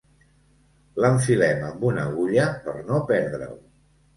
L'enfilem amb una agulla per no perdre'l.